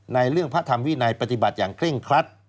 ในเรื่องพระธรรมวินัยปฏิบัติอย่างเร่งครัด